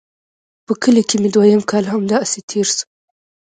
په کلي کښې مې دويم کال هم همداسې تېر سو.